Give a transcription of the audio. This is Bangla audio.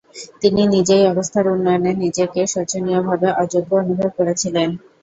তিনি নিজেই অবস্থার উন্নয়নে নিজেকে শোচনীয়ভাবে অযোগ্য অনুভব করেছিলেন।